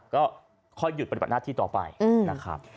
ก็ค่อยหยุดปฏิบัติหน้าที่ต่อไปนะครับ